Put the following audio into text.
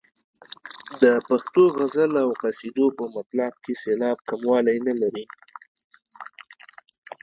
د پښتو غزل او قصیدو په مطلع کې سېلاب کموالی نه لري.